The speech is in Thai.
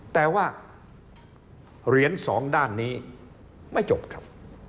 แต่ว่าเหรียญสองด้านนี้ไม่จบครับ